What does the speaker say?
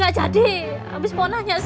gak jadi abis ponanya sih